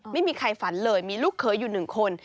ไม่มีใครฝันเลยมีลูกเขยอยู่หนึ่งคน